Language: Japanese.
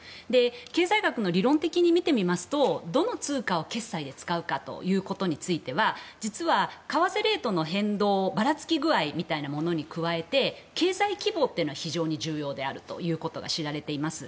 経済学の理論的に見てみますとどの通貨を決済で使うかということについては実は為替レートの変動ばらつき具合みたいなものに加えて経済規模というのが非常に重要であることが知られています。